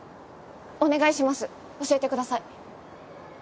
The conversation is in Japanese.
お願いします教えてください。